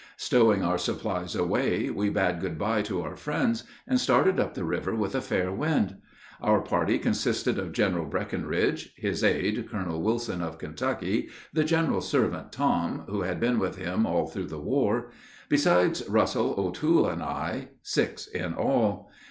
Stowing our supplies away, we bade good by to our friends, and started up the river with a fair wind. Our party consisted of General Breckinridge; his aide, Colonel Wilson of Kentucky; the general's servant, Tom, who had been with him all through the war; besides Russell, O'Toole, and I, six in all.